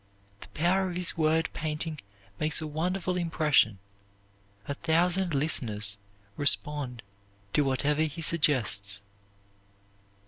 The power of his word painting makes a wonderful impression. A thousand listeners respond to whatever he suggests.